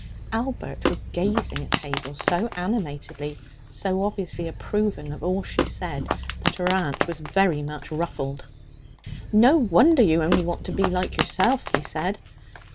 Albert was gazing at Hazel so animatedly, so obviously approving of all she said, that her aunt was very much ruffled. 'No wonder you only want to be like yourself,' he said.